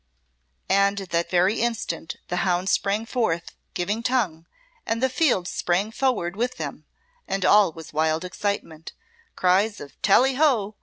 And at that very instant the hounds sprang forth, giving tongue, and the field sprang forward with them, and all was wild excitement: cries of "Tally ho!"